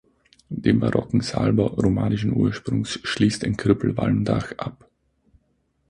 Den barocken Saalbau romanischen Ursprungs schließt ein Krüppelwalmdach ab.